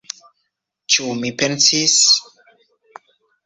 Ĉu mi pensis?